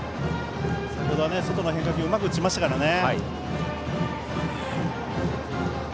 先程、外の変化球をうまく打ちましたからね。